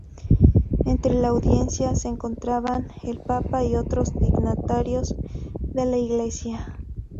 Entre la audiencia se encontraban el papa y otros dignatarios de la Iglesia.